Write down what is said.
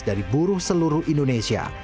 dari buruh seluruh indonesia